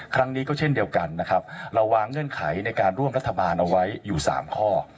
ครั้งนี้ก็เช่นเดียวกันนะครับเราวางเงื่อนไขในการร่วมรัฐบาลเอาไว้อยู่๓ข้อ